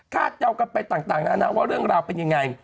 เดากันไปต่างนานาว่าเรื่องราวเป็นยังไง